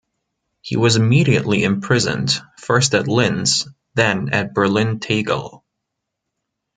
He was immediately imprisoned, first at Linz, then at Berlin-Tegel.